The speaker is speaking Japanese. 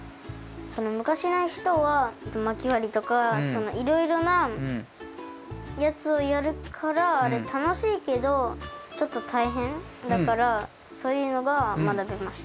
昔の人はまきわりとかいろいろなやつをやるから楽しいけどちょっとたいへんだからそういうのがまなべました。